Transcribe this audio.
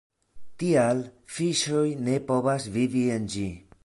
Tial fiŝoj ne povas vivi en ĝi.